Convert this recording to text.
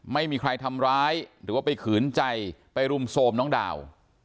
ไม่มีใครทำร้ายทุกวัฒนีใจไปรุ่มโซมน้องดาว